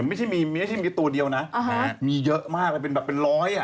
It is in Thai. ไม่ใช่มีตัวเดียวนะมีเยอะมากเป็นแบบเป็นร้อย